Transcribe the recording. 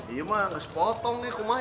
iya mah nggak sepotong nih